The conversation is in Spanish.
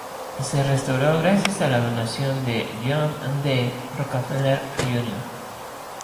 Se restauró gracias a la donación de John D. Rockefeller Jr.